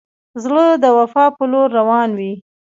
زړه د وفا پر لور روان وي.